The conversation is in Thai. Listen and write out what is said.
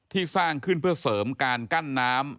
สร้างขึ้นเพื่อเสริมการกั้นน้ำ